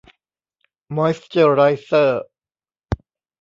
มอยซ์เจอร์ไรเซอร์